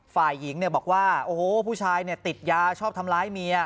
ฝ่ายหญิงบอกว่าโอ้โหผู้ชายติดยาชอบทำร้ายเมีย